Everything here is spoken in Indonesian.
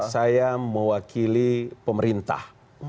saya mewakili pemerintah